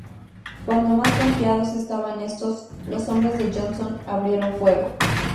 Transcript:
Cuando más confiados estaban estos, los hombres de Johnson abrieron fuego.